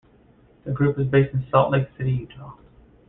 The Group is based in Salt Lake City, Utah.